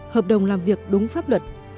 hợp đồng làm việc đúng pháp luật